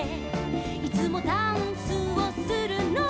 「いつもダンスをするのは」